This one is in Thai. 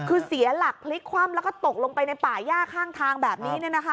คือเสียหลักพลิกคว่ำแล้วก็ตกลงไปในป่าย่าข้างทางแบบนี้